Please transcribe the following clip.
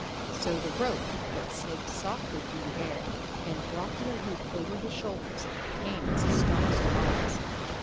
So the rope that snaked softly through the air and dropped in a loop over his shoulders came as a stark surprise.